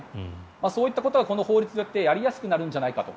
そういったことがこの法律によってやりやすくなるんじゃないかと。